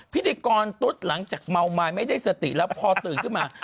พิธีกรตุ๊ดหลังจากเมาไม้ไม่ได้สติแล้วพอตื่นขึ้นมา